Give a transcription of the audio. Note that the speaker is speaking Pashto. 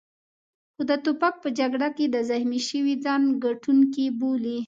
خو د توپک په جګړه کې زخمي شوي ځان ګټونکی بولي.